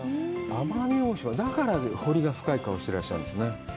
奄美大島、だから彫りが深い顔してらっしゃるんですね。